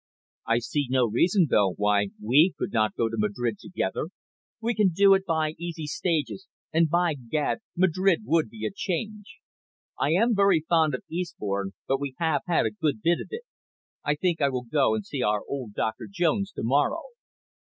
"I see no reason, though, why we could not go to Madrid together. We could do it by easy stages, and, by gad, Madrid would be a change. I am very fond of Eastbourne, but we have had a good bit of it. I think I will go and see our old Doctor Jones to morrow."